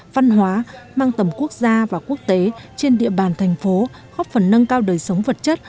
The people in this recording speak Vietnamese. văn hóa mang tầm quốc gia và quốc tế trên địa bàn thành phố góp phần nâng cao đời sống vật chất